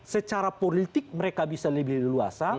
secara politik mereka bisa lebih leluasa